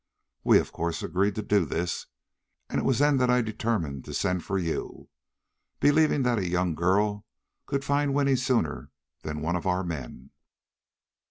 We, of course, agreed to do this, and it was then that I determined to send for you, believing that a young girl could find Winnie sooner than one of our men."